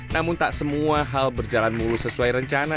namun tak semua hal berjalan mulus sesuai rencana